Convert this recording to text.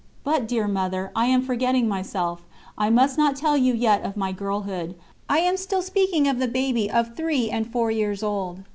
But, dear Mother, I am forgetting myself I must not tell you yet of my girlhood, I am still speaking of the baby of three and four years old.